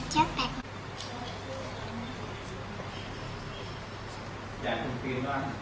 จะทุกษ์ปีนบ้าง